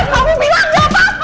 aku kasih ini buat andien